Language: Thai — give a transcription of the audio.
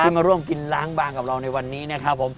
มาร่วมกินล้างบางกับเราในวันนี้นะครับผม